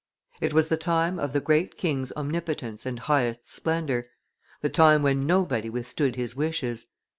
It was the time of the great king's omnipotence and highest splendor, the time when nobody withstood his wishes.